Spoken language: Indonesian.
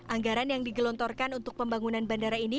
anggaran yang digelontorkan untuk pembangunan bandara ini